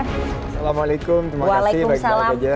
assalamualaikum terima kasih